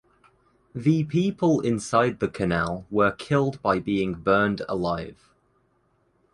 The people inside the canal were killed by being burned alive.